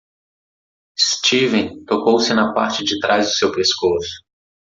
Steven tocou-se na parte de trás do seu pescoço.